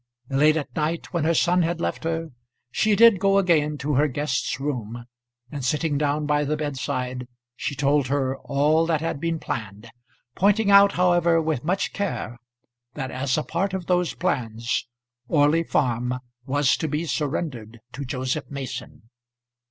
Late at night, when her son had left her, she did go again to her guest's room, and sitting down by the bed side she told her all that had been planned, pointing out however with much care that, as a part of those plans, Orley Farm was to be surrendered to Joseph Mason.